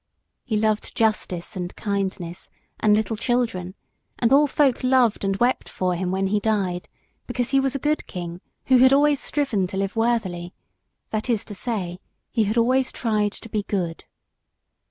He loved justice and kindness, and little children; and all folk loved and wept for him when he died, because he was a good King who had always striven to live worthily, that is to say, he had always tried to be good.